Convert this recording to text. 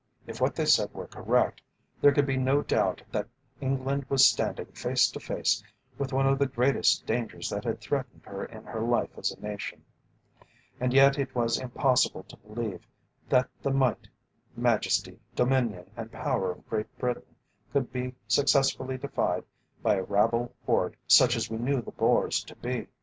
If what they said were correct there could be no doubt that England was standing face to face with one of the greatest dangers that had threatened her in her life as a nation. And yet it was impossible to believe that the Might, Majesty, Dominion, and power of Great Britain could be successfully defied by a rabble horde such as we knew the Boers to be.